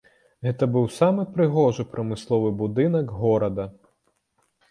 Гэта быў самы прыгожы прамысловы будынак горада.